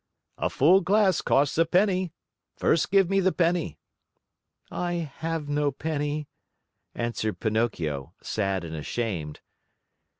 "A full glass costs a penny. First give me the penny." "I have no penny," answered Pinocchio, sad and ashamed.